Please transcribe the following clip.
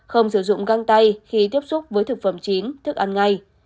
không sử dụng găng tay khi tiếp xúc với thực phẩm chín thức ăn ngay